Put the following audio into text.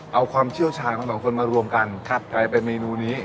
เอาความเชี่ยวชาญของสองคนมารวมกันกลายเป็นเมนูนี้